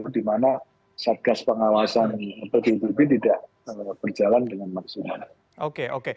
di mana satgas pengawasan pdb tidak berjalan dengan maksimal